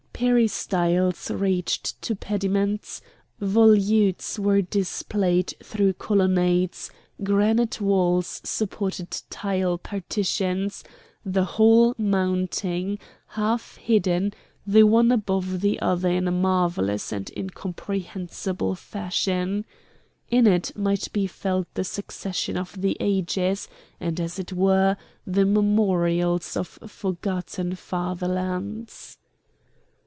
Peristyles reached to pediments; volutes were displayed through colonnades; granite walls supported tile partitions; the whole mounting, half hidden, the one above the other in a marvellous and incomprehensible fashion. In it might be felt the succession of the ages, and, as it were, the memorials of forgotten fatherlands.